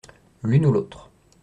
L’une ou l’autre.